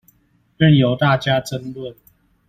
任由大家爭論